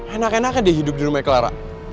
enak enakan dia hidup di rumahnya clara